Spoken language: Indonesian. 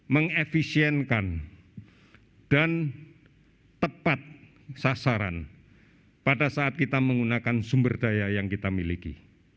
mengefisienkan dan tepat sasaran pada saat kita menggunakan sumber daya yang kita miliki